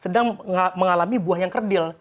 sedang mengalami buah yang kerdil